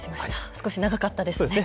少し長かったですね。